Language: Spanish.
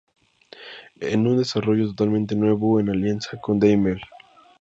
En un desarrollo totalmente nuevo en alianza con Daimler.